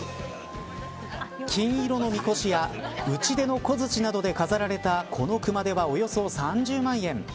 金色のみこしや打ち出の小づちなどで飾られたこの熊手はおよそ３０万円。